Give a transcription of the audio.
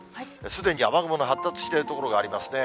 すでに雨雲の発達している所がありますね。